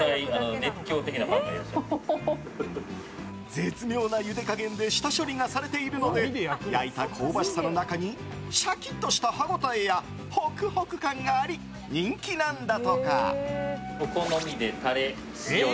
絶妙なゆで加減で下処理がされているので焼いた香ばしさの中にシャキッとした歯応えやホクホク感があり人気なんだとか。